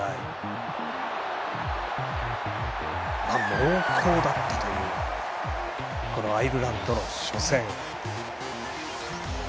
猛攻だったというアイルランドの初戦。